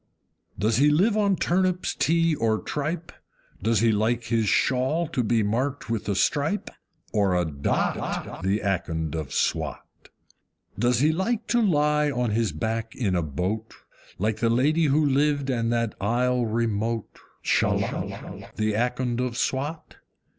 Does he live on turnips, tea, or tripe? Does he like his shawl to be marked with a stripe, or a DOT, The Akond of Swat? Does he like to lie on his back in a boat Like the lady who lived in that isle remote, SHALLOTT, The Akond of Swat?